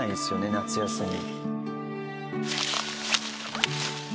夏休み。